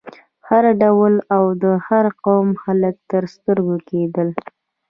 هر ډول او د هر قوم خلک تر سترګو کېدل.